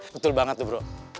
betul banget tuh bro